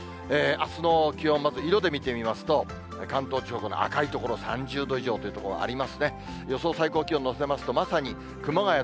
あすの気温、まず色で見てみますと、関東地方、この赤い所３０度以上という所ありますね。